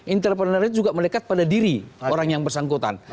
entrepreneur itu juga melekat pada diri orang yang bersangkutan